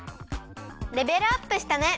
レベルアップしたね！